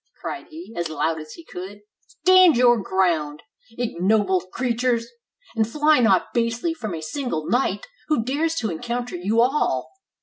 cried he, as loud as he could; "stand your ground, ignoble creatures, and fly not basely from a single knight, who dares to encounter you all."